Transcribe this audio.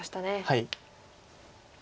はい。